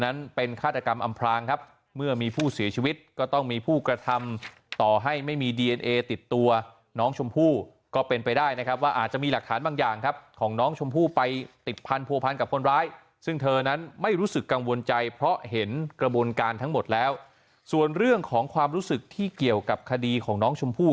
นั้นเป็นฆาตกรรมอำพลางครับเมื่อมีผู้เสียชีวิตก็ต้องมีผู้กระทำต่อให้ไม่มีดีเอนเอติดตัวน้องชมพู่ก็เป็นไปได้นะครับว่าอาจจะมีหลักฐานบางอย่างครับของน้องชมพู่ไปติดพันธัวพันกับคนร้ายซึ่งเธอนั้นไม่รู้สึกกังวลใจเพราะเห็นกระบวนการทั้งหมดแล้วส่วนเรื่องของความรู้สึกที่เกี่ยวกับคดีของน้องชมพู่